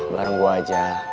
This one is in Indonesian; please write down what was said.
bareng gue aja